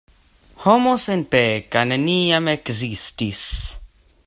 Homo senpeka neniam ekzistis.